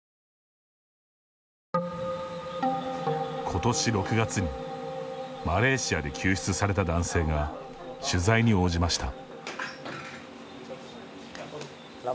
ことし６月にマレーシアで救出された男性が取材に応じました。